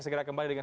tetap bersama kami